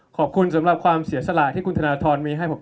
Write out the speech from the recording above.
ขอบคุณสำหรับความเสียสละที่คุณธนทรมีให้ผม